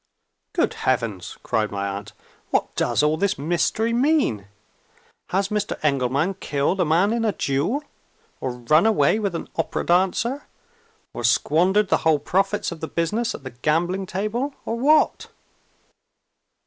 "Good heavens!" cried my aunt, "what does all this mystery mean? Has Mr. Engelman killed a man in a duel? or run away with an opera dancer? or squandered the whole profits of the business at the gambling table? or what?